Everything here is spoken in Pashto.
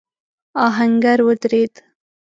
آهنګر ودرېد.